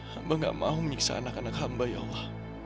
hamba gak mau menyiksa anak anak hamba ya allah